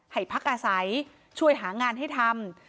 ให้พักอาศัยช่วยหางานให้ทำ